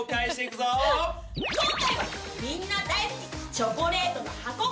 今回はみんな大好き。